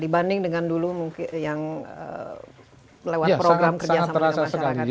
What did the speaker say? dibanding dengan dulu mungkin yang lewat program kerja sama dengan masyarakat itu